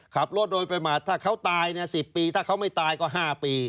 ขับรถโดยประมาทถ้าเขาตาย๑๐ปีถ้าเขาไม่ตายก็๕ปี